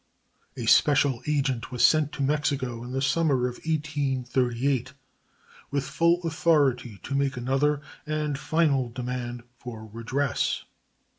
A special agent was sent to Mexico in the summer of 1838 with full authority to make another and final demand for redress.